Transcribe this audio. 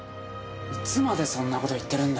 いつまでそんな事言ってるんだよ。